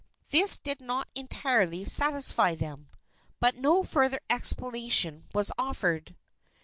This did not entirely satisfy them, but no further explanation was offered.